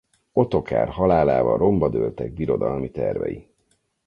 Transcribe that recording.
Ottokár halálával romba dőltek birodalmi tervei.